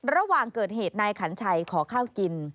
ระหว่างเกิดเหตุนายขันชัยขอข้าวกิน